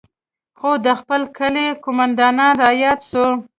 خو د خپل کلي قومندان راياد سو.